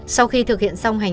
sau khi thực hiện xong hành trình